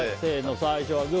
最初はグー